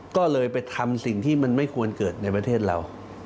ก็เลยไปทำสิ่งที่มันไม่ควรเกิดในประเทศเรา